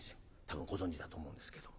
多分ご存じだと思うんですけど。